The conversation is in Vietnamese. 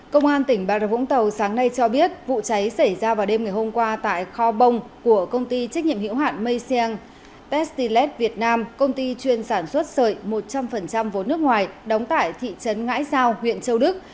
công an tỉnh bà rập vũng tàu sáng nay cho biết vụ cháy xảy ra vào đêm ngày hôm qua tại kho bông của công ty trách nhiệm hiệu hạn mây siêng pestilet việt nam công ty chuyên sản xuất sợi một trăm linh vốn nước ngoài đóng tại thị trấn ngãi giao huyện châu đức